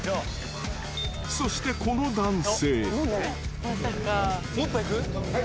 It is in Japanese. そしてこの男性。